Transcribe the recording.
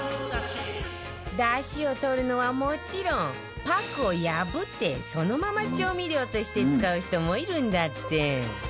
出汁を取るのはもちろんパックを破ってそのまま調味料として使う人もいるんだって